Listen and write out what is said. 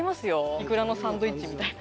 イクラのサンドイッチみたいな。